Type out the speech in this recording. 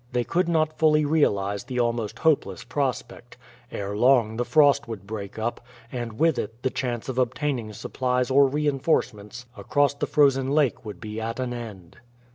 They could not fully realize the almost hopeless prospect. Ere long the frost would break up, and with it the chance of obtaining supplies or reinforcements across the frozen lake would be at an end.